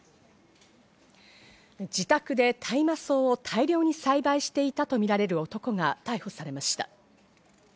自宅で大麻草を大量に栽培していたとみられる男が逮捕されました。